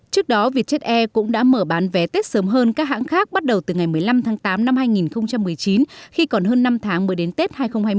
trước đó vietjet air cũng đã mở bán vé tết sớm hơn các hãng khác bắt đầu từ ngày một mươi năm tháng tám năm hai nghìn một mươi chín khi còn hơn năm tháng mới đến tết hai nghìn hai mươi